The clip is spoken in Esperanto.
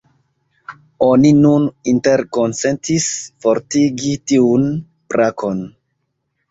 Oni nun interkonsentis fortigi tiun brakon.